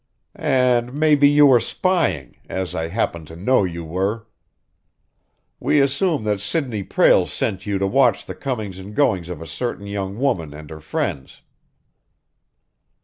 "And maybe you were spying, as I happen to know you were. We assume that Sidney Prale sent you to watch the comings and goings of a certain young woman and her friends."